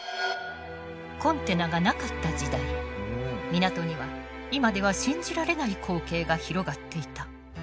コンテナがなかった時代港には今では信じられない光景が広がっていた。